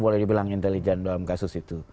boleh dibilang intelijen dalam kasus itu